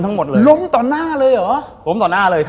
ทั้งโต๊ะเลย